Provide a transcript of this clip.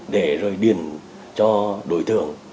để rồi điền cho đối tượng